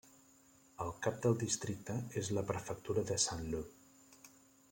El cap del districte és la prefectura de Saint-Lô.